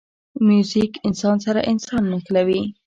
موزیک انسان سره انسان نښلوي.